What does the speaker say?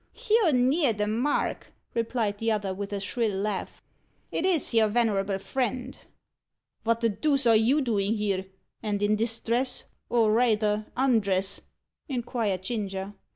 "You're near the mark," replied the other, with a shrill laugh. "It is your venerable friend." "Vot the deuce are you doing here, and in this dress, or rayther undress?" inquired Ginger.